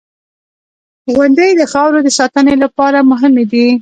• غونډۍ د خاورو د ساتنې لپاره مهمې دي.